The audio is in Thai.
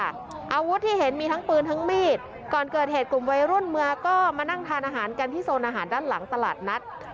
อาวุธที่เห็นมีทั้งปืนทั้งมีดก่อนเกิดเหตุกลุ่มวัยรุ่นเมื่อก็มานั่งทานอาหารกันที่โซนอาหารด้านหลังตลาดนัด